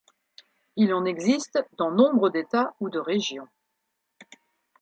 Il en existe dans nombre d'États ou de régions.